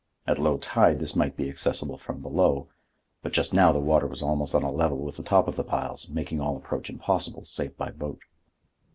At low tide this might be accessible from below, but just now the water was almost on a level with the top of the piles, making all approach impossible save by boat.